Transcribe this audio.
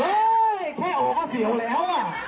เฮ้ยแค่ออกก็เสียแล้ว